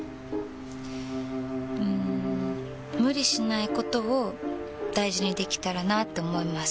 うん無理しないことを大事にできたらなって思います。